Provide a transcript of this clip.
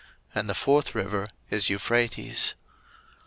And the fourth river is Euphrates.